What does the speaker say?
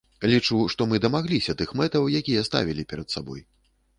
Лічу, што мы дамагліся тых мэтаў, якія ставілі перад сабой.